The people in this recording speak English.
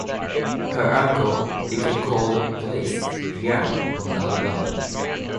Her uncle Ike Cole plays piano on the album.